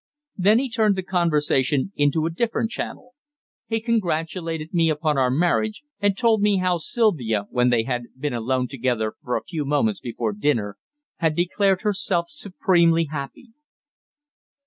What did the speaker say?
Then he turned the conversation into a different channel. He congratulated me upon our marriage and told me how Sylvia, when they had been alone together for a few moments before dinner, had declared herself supremely happy.